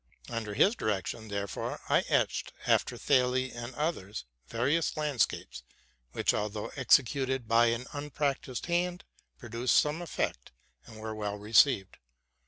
Under his directions, therefore, I etched, after Thiele and others, various landscapes, which, although executed by an unprac tised hand, produced some effect, and were well received.